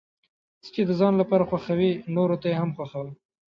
څه چې د ځان لپاره خوښوې نورو ته یې هم خوښوه.